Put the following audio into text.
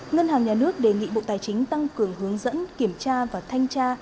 ngân hàng nhà nước đề nghị bộ tài chính tăng cường hướng dẫn kiểm tra và thanh tra